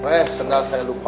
eh sendal saya lupa